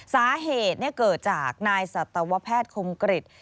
สาเหตุเกิดจากนายสัตวแพทย์คมกริจ